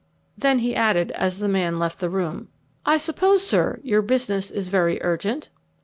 Then he added, as the man left the room, "I suppose, sir, your business is very urgent?"